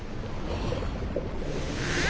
ああ！